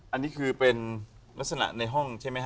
อันนี้คือเป็นลักษณะในห้องใช่ไหมฮะ